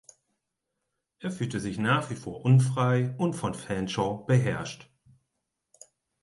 Er fühlt sich nach wie vor unfrei und von Fanshawe beherrscht.